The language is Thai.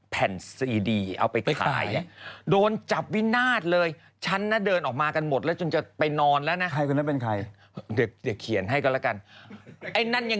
ก็ต้องบอกปวดโทรเข้ามานะ